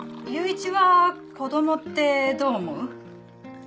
祐一は子供ってどう思う？